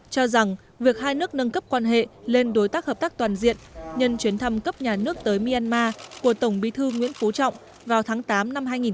cho rằng việc hai nước nâng cấp quan hệ lên đối tác hợp tác toàn diện nhân chuyến thăm cấp nhà nước tới myanmar của tổng bí thư nguyễn phú trọng vào tháng tám năm hai nghìn một mươi ba